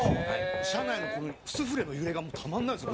車内のこのスフレの揺れがたまらないですよ。